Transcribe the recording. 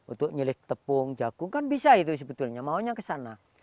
untuk nyelik tepung jagung kan bisa itu sebetulnya maunya ke sana